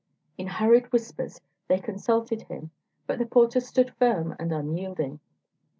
In hurried whispers they consulted him, but the porter stood firm and unyielding.